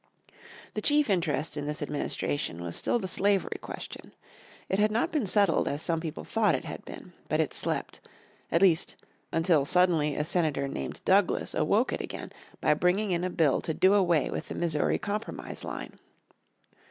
The chief interest in this administration was still the slavery question. It had not been settled as some people thought it had been. But it slept, at least, until suddenly a senator names Douglas awoke it again by bringing in a bill to do away with the Missouri Compromise Line.